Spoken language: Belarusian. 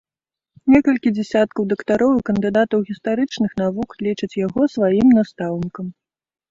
Некалькі дзясяткаў дактароў і кандыдатаў гістарычных навук лічаць яго сваім настаўнікам.